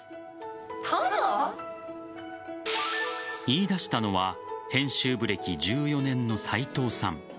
言い出したのは編集部歴１４年の斉藤さん。